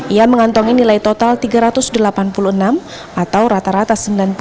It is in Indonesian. ia mengantongi nilai total tiga ratus delapan puluh enam atau rata rata sembilan puluh